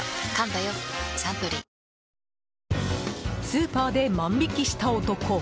スーパーで万引きした男。